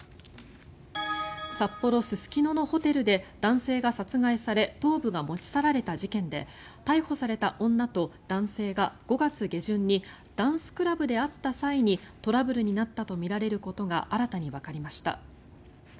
札幌・すすきののホテルで男性が殺害され頭部が持ち去られた事件で逮捕された女と男性が５月下旬にダンスクラブで会った際にトラブルになったとみられることが新たにわかりました。